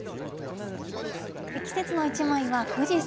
季節の一枚は、富士山。